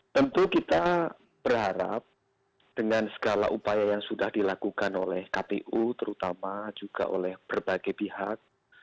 tentu kita berharap dengan segala upaya yang sudah dilakukan oleh kpu terutama juga oleh berbagai pihak